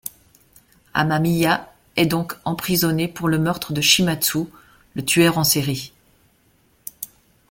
Amamiya est donc emprisonné pour le meurtre de Shimazu, le tueur en série.